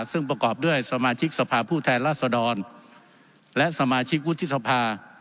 ซึ่งประกอบด้วยสมาชิกสภาพผู้แทนราษดรและสมาชิกวุฒิสภา